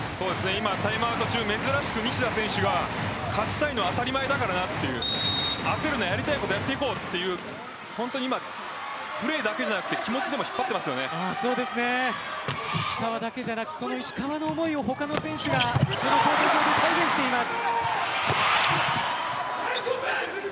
タイムアウト中、珍しく西田選手が勝ちたいのは当たり前だから焦るなやりたいことやっていこうとプレーだけじゃなく石川だけじゃなくその石川の思いを他の選手がこのコート上で体現しています。